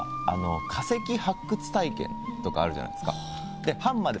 化石発掘体験とかあるじゃないですか。